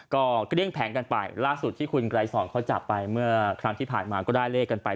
ก็เกลี้ยงแผงกันไปล่าสุดที่คุณไกรสอนเขาจับไปเมื่อครั้งที่ผ่านมาก็ได้เลขกันไป